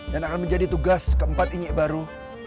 dan akan menjadi tugas keempat ini baru